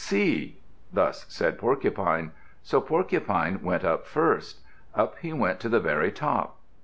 See!" Thus said Porcupine. So Porcupine went up first. Up he went to the very top.